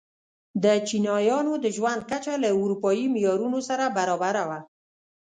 د چینایانو د ژوند کچه له اروپايي معیارونو سره برابره وه.